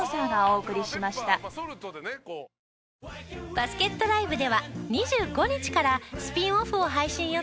バスケットＬＩＶＥでは２５日からスピンオフを配信予定。